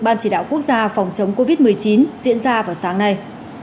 ban chỉ đạo quốc gia phòng chống covid một mươi chín diễn ra vào sáng nay